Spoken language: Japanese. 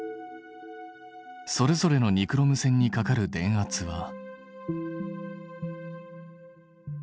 それぞれのニクロム線にかかる電圧は。